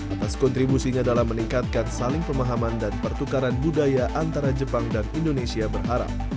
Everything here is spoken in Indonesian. atas kontribusinya dalam meningkatkan saling pemahaman dan pertukaran budaya antara jepang dan indonesia berharap